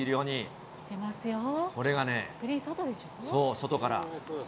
そう、外から。